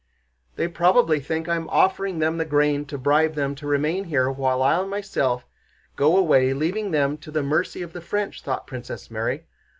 "They probably think I am offering them the grain to bribe them to remain here, while I myself go away leaving them to the mercy of the French," thought Princess Mary.